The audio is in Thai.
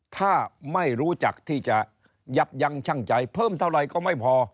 ถ้าไม่รู้จักที่จะยับยั้งชั่งใจเพิ่มเท่าไหร่ก็ไม่พอ